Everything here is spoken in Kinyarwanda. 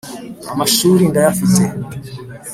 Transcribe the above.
Amashuli ndayafite